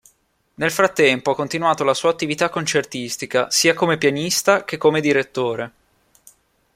Nel frattempo ha continuato la sua attività concertistica, sia come pianista che come direttore.